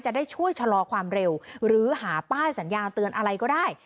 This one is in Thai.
จะได้ช่วยชะลอความเร็วหรือหาป้ายสัญญาณเตือนอะไรก็ได้